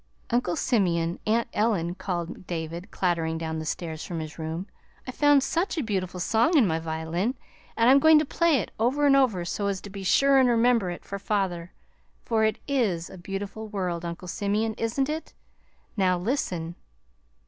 "Uncle Simeon, Aunt Ellen," called David, clattering down the stairs from his room, "I've found such a beautiful song in my violin, and I'm going to play it over and over so as to be sure and remember it for father for it is a beautiful world, Uncle Simeon, isn't it? Now, listen!"